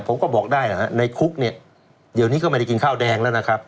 ผมก็บอกได้นะฮะในคุกเนี่ยเดี๋ยวนี้ก็ไม่ได้กินข้าวแดงแล้วนะครับ